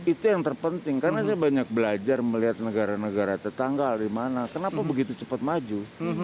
itu yang terpenting karena saya banyak belajar melihat negara negara tetangga di mana kenapa begitu cepat maju